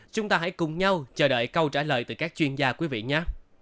chúng ta hãy cùng nhau chờ đợi câu trả lời từ các chuyên gia quý vị nhé